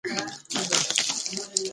چرګې په چټکۍ سره مښوکه وهله.